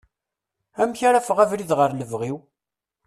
Amek ara aɣef abrid ɣer lebɣi-w?